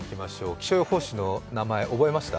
気象予報士の名前、覚えました？